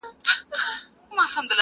ما ته شجره یې د نژاد او نصب مه راوړی-